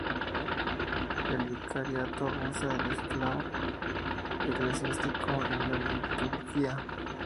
El vicariato usa el eslavo eclesiástico en la liturgia.